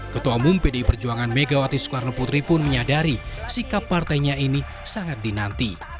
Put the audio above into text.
ketua mumpi di perjuangan megawati soekarnoputri pun menyadari sikap partainya ini sangat dinanti